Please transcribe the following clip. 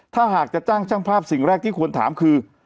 ถ้าหากจะจ้างช่างภาพสิ่งแรกที่ควรถามคือ